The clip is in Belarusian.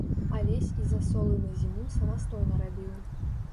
Алесь і засолы на зіму самастойна рабіў.